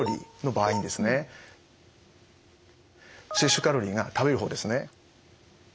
摂取カロリーが食べる方ですね